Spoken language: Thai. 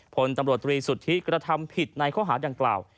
ผลตำรวจตรีสุทธิกระทำผิดในข้อหาดังกล่าว